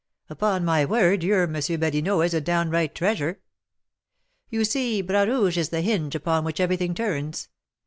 "Upon my word, your M. Badinot is a downright treasure!" "You see, Bras Rouge is the hinge upon which everything turns.